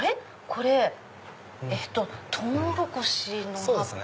これトウモロコシの葉っぱ？